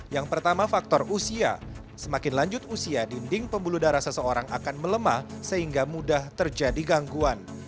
yang pertama faktor usia semakin lanjut usia dinding pembuluh darah seseorang akan melemah sehingga mudah terjadi gangguan